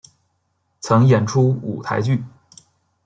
曾演出舞台剧。